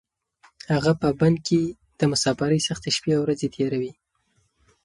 هغه په بن کې د مسافرۍ سختې شپې او ورځې تېروي.